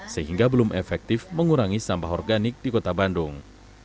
sehingga belum efektif mengurangi sampah organik di kota bandung